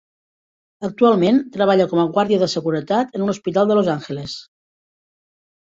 Actualment treballa com a guàrdia de seguretat en un hospital de Los Angeles.